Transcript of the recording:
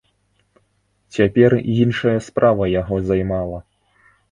Цяпер іншая справа яго займала.